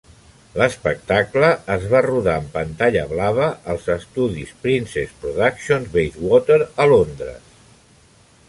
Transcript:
L'espectacle es va rodar en pantalla blava als estudis Princess Productions de Bayswater a Londres.